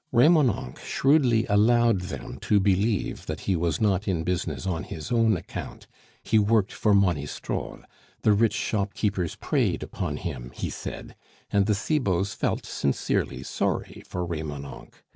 Remonencq shrewdly allowed them to believe that he was not in business on his own account, he worked for Monistrol, the rich shopkeepers preyed upon him, he said, and the Cibots felt sincerely sorry for Remonencq.